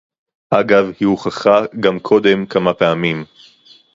אגב היא הוכחה גם קודם כמה פעמים